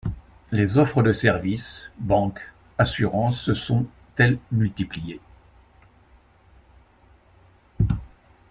Les offres de services, banques, assurances se sont, elles multipliées.